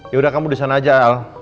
yaudah kamu disana aja al